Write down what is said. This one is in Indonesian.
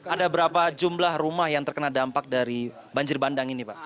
ada berapa jumlah rumah yang terkena dampak dari banjir bandang ini pak